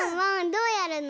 どうやるの？